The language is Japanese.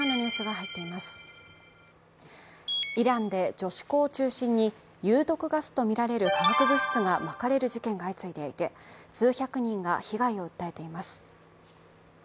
イランで女子校を中心に有毒ガスとみられる化学物質がまかれる事件が相次いでいて数百人が被害を訴えています。